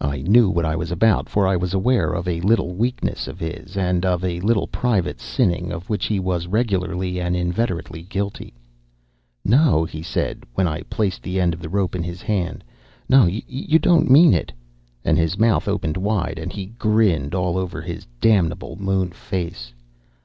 I knew what I was about, for I was aware of a little weakness of his, and of a little private sinning of which he was regularly and inveterately guilty. "No," he said, when I placed the end of the rope in his hand. "No, you don't mean it." And his mouth opened wide and he grinned all over his damnable moon face.